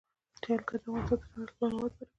جلګه د افغانستان د صنعت لپاره مواد برابروي.